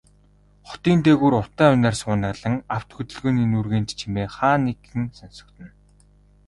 Хотын дээгүүр утаа униар суунаглан, авто хөдөлгөөний нүргээнт чимээ хаа нэгхэн сонсогдоно.